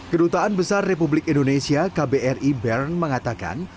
kedutaan besar republik indonesia kbri bern mengatakan